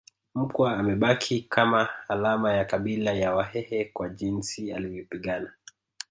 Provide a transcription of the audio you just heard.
Mkwa amebaki kama alama ya kabila la Wahehe kwa jinsi alivyopigana